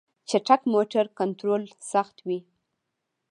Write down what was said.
چټک موټر کنټرول سخت وي.